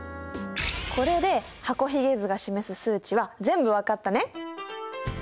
これで箱ひげ図が示す数値は全部分かったね！